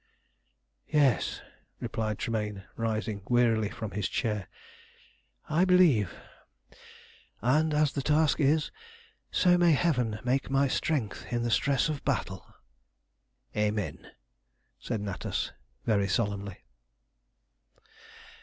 "Yes," replied Tremayne, rising wearily from his chair, "I believe; and as the task is, so may Heaven make my strength in the stress of battle!" "Amen!" said Natas very solemnly.